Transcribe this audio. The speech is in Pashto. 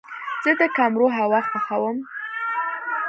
زه د کمرو هوا خوښوم.